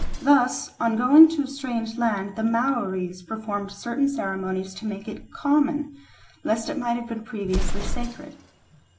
Thus on going to a strange land the Maoris performed certain ceremonies to make it "common," lest it might have been previously "sacred."